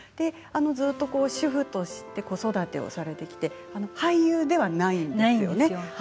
ずっと主婦として子育てをされてきて俳優ではないんですよね。